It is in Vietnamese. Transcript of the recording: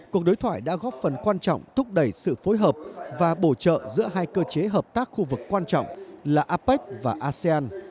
cuộc đối thoại đã góp phần quan trọng thúc đẩy sự phối hợp và bổ trợ giữa hai cơ chế hợp tác khu vực quan trọng là apec và asean